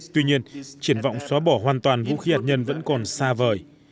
tuy nhiên triển vọng xóa bỏ hoàn toàn vũ khí hạt nhân vẫn còn xa vời